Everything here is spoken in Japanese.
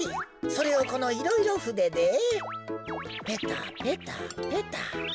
それをこのいろいろふででペタペタペタと。